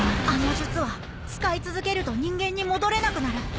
あの術は使い続けると人間に戻れなくなる。